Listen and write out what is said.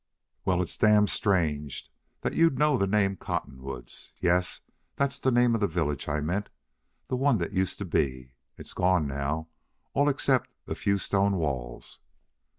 "Well, it's damn strange that you'd know the name Cottonwoods.... Yes, that's the name of the village I meant the one that used to be. It's gone now, all except a few stone walls."